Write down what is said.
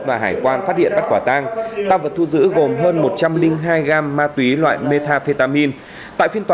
và hải quan phát hiện bắt quả tang ta vật thu giữ gồm hơn một trăm linh hai gram ma túy loại methamphetamine